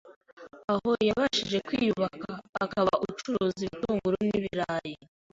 aho yabashije kwiyubaka, akaba acuruza ibitunguru n’ibirayi